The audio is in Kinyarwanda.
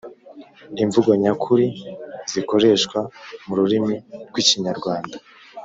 imvugo nyakuri zikoreshwa mu rurimi rw’i Kinyarwanda